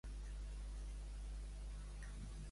Tirar per algun estat.